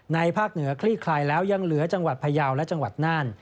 ภาคเหนือคลี่คลายแล้วยังเหลือจังหวัดพยาวและจังหวัดน่าน